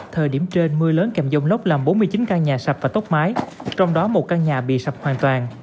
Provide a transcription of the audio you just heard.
thời điểm trên mưa lớn kèm dông lốc làm bốn mươi chín căn nhà sập và tốc mái trong đó một căn nhà bị sập hoàn toàn